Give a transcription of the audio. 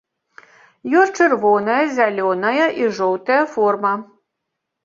Ёсць чырвоная, зялёная і жоўтая форма.